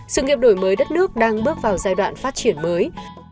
sự nghiệp đổi mới đất nước đang bước vào giai đoạn phát triển mới